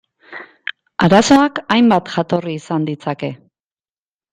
Arazoak hainbat jatorri izan ditzake.